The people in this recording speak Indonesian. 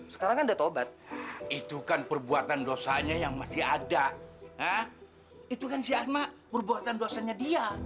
sekarang kan ada taubat itu kan perbuatan dosanya yang masih ada itu kan si ahmad perbuatan dosanya dia